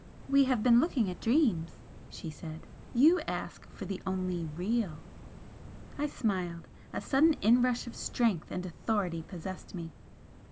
"We have been looking at dreams," she said "You ask for the only Real!" I smiled. A sudden inrush of strength and authority possessed me.